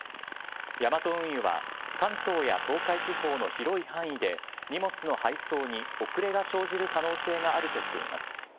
ヤマト運輸は関東や東海地方の広い範囲で荷物の配送に遅れが生じる可能性があるとしています。